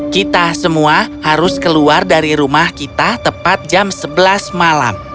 kita semua harus keluar dari rumah kita tepat jam sebelas malam